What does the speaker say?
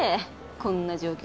こんな状況